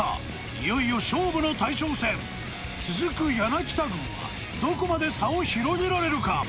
いよいよ勝負の大将戦続く柳田軍はどこまで差を広げられるか？